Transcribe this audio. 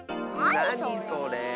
なにそれ。